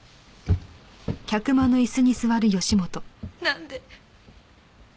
なんで。